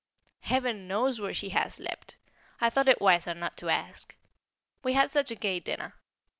Heaven knows where she has slept! I thought it wiser not to ask. We had such a gay dinner.